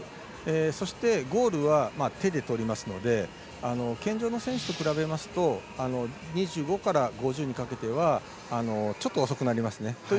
そしてゴールは手で取りますので健常者の選手と比べますと２５から５０にかけてはちょっと遅くなりますね。